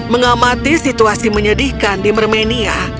mengamati situasi menyedihkan di mermenia